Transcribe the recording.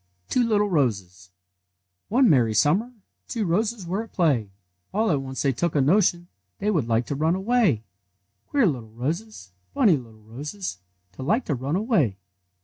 TWO LITTLE ROSES One merry siumiier day T^Yo roses were at play; All at once they took a notion They would like to run away! Queer little roses, Funny little roses, To like to run away!